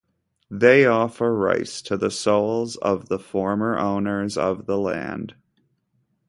They offer rice to the souls of the former owners of the land.